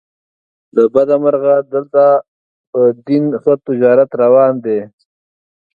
له بده مرغه دلته په دین ښه تجارت روان دی.